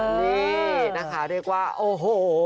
นี่นะคะเรียกว่าโอ้โห